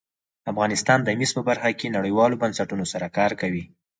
افغانستان د مس په برخه کې نړیوالو بنسټونو سره کار کوي.